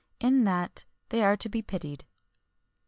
In that, they are to be pitied.